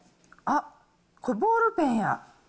あっ、これ、ボールペンや。